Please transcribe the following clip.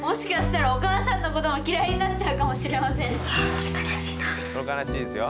それ悲しいですよ。